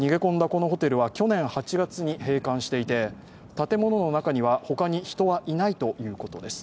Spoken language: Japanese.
このホテルは去年８月に閉館していて建物の中には、他に人はいないということです。